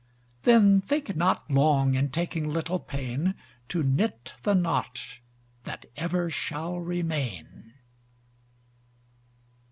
Then think not long in taking little pain, To knit the knot, that ever shall remain.